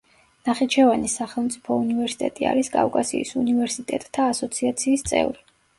ნახიჩევანის სახელმწიფო უნივერსიტეტი არის კავკასიის უნივერსიტეტთა ასოციაციის წევრი.